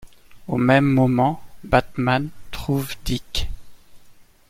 Au même moment, Batman trouve Dick.